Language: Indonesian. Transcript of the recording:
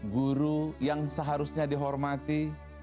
guru yang seharusnya dihormati